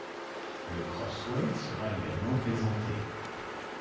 Le Crossway sera également présenté.